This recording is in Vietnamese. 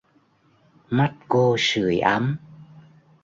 Mắt cô sưởi ấm